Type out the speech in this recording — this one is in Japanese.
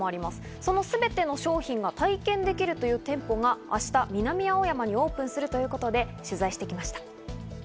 そのすべての商品が体験できるという店舗が明日、南青山にオープンするということで取材してきました。